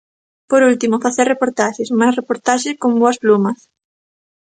Por último, facer reportaxes, máis reportaxes con boas plumas.